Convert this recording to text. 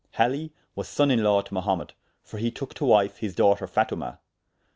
Hali was sonne in lawe to Mahumet, for he tooke to wyfe his daughter Fatoma.